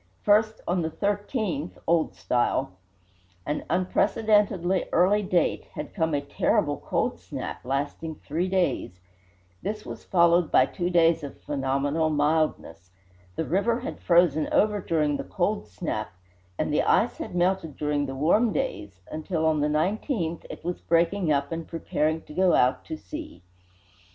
First, on the 13th (Old Style), an unprecedently early date, had come a "terrible cold snap," lasting three days. This was followed by two days of phenomenal mildness. The river had frozen over during the "cold snap," and the ice had melted during the warm days, until, on the 19th, it was breaking up and preparing to go out to sea.